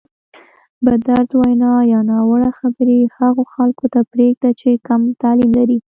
بدرد وینا یا ناوړه خبرې هغو خلکو ته پرېږده چې کم تعلیم لري.